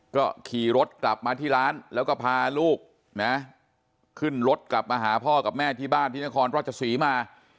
ก็ขี่รถกลับมาที่ร้านแล้วก็พาลูกนะขึ้นรถกลับมาหาพ่อกับแม่ที่บ้านที่นครราชศรีมา